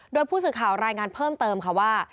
โดยผู้สื่อข่าวรายงานเพิ่มเติมค่ะว่า